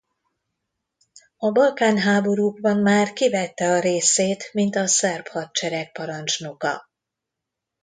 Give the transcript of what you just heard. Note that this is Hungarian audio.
A Balkán-háborúkban már kivette a részét mint a szerb hadsereg parancsnoka.